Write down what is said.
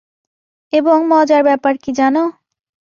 এবং মজার ব্যাপার কি জানো?